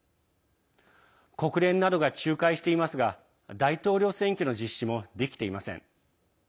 国連などが仲介していますが大統領選挙の実施もできていません。